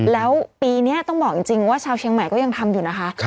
แล้วปีนี้ต้องบอกจริงว่าชาวเชียงใหม่ก็ยังทำอยู่นะคะ